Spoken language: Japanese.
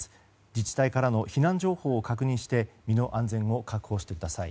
自治体からの避難情報を確認して身の安全を確保してください。